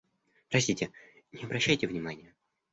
Простите, не обращайте внимания.